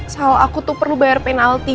kalau aku tuh perlu bayar penalti